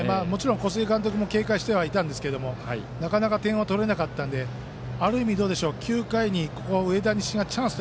小菅監督も警戒してはいたんですがなかなか点が取れないである意味、９回に上田西がチャンスで